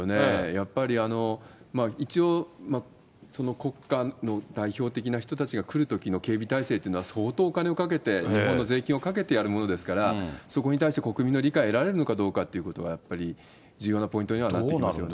やっぱり一応、その国家の代表的な人たちが来るときの警備態勢というのは相当お金をかけて、日本の税金をかけてやるものですから、そこに対して国民の理解を得られるのかどうかということはやはり重要なポイントにはなってきますよね。